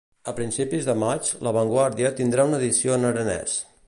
A principis de maig La Vanguardia tindrà una edició en aranès.